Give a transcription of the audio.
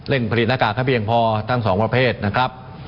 ผลิตหน้ากากให้เพียงพอทั้งสองประเภทนะครับ